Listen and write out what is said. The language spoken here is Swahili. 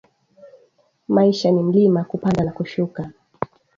Maisha ni mlima kupanda na kushuka